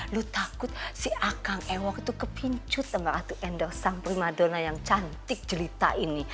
lu takut si akang ewok itu kepincut sama ratu endo sang primadona yang cantik cerita ini